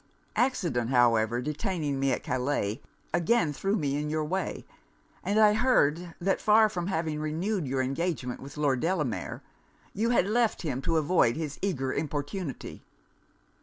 Accident, however, detaining me at Calais, again threw me in your way; and I heard, that far from having renewed your engagement with Lord Delamere, you had left him to avoid his eager importunity.